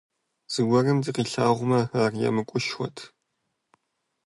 Зыгуэрым дыкъилъагъумэ, ар емыкӀушхуэт.